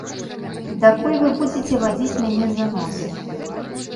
Дакуль вы будзеце вадзіць мяне за нос?